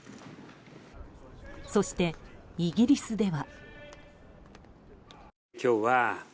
そしてイギリスでは。